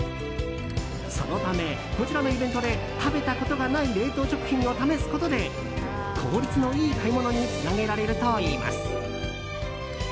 そのため、こちらのイベントで食べたことがない冷凍食品を試すことで効率のいい買い物につなげられるといいます。